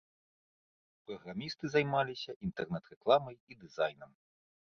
Праграмісты займаліся інтэрнэт-рэкламай і дызайнам.